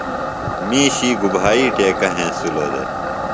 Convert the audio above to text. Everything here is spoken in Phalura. مِیشی گُبھائی ٹیکہ ہنسِلوۡ دےۡ؟